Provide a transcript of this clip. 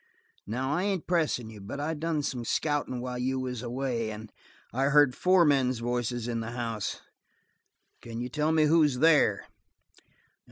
Now, I ain't pressin' you, but I done some scouting while you was away, and I heard four men's voices in the house. Can you tell me who's there?"